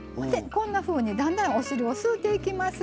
こんなふうに、お汁を吸うていきます。